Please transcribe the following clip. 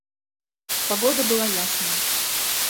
Погода была ясная.